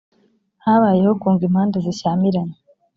habayeho kunga impande zishyamiranye